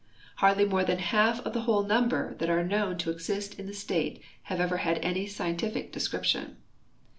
Hardly more than half of the whole num ber that are known to exist in the state have ever had any scientific description.